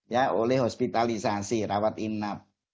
ya oleh hospitalisasi rawat inap